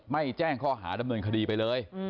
แจ้งข้อหาดำเนินคดีไปเลย